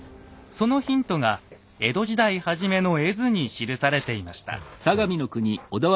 そのヒントが江戸時代初めの絵図に記されていました。